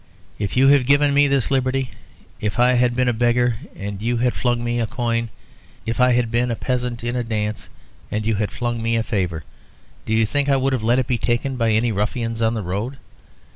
You have given me this liberty. If I had been a beggar and you had flung me a coin, if I had been a peasant in a dance and you had flung me a favour, do you think I would have let it be taken by any ruffians on the road?